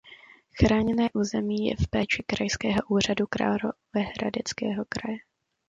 Chráněné území je v péči Krajského úřadu Královéhradeckého kraje.